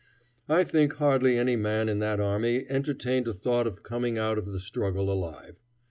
I think hardly any man in that army entertained a thought of coming out of the struggle alive.